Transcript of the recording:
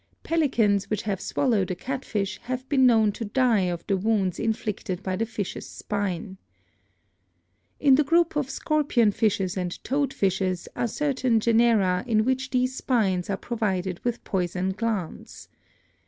Pelicans which have swallowed a catfish have been known to die of the wounds inflicted by the fish's spine. In the group of scorpion fishes and toad fishes are certain genera in which these spines are pro vided with poison glands.